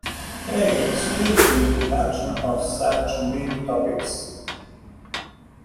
Pray excuse the introduction of such mean topics.